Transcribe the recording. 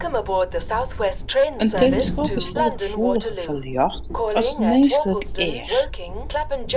In teleskoop is folle gefoeliger foar ljocht as it minsklik each.